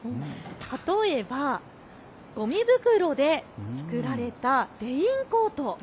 例えばごみ袋で作られたレインコート。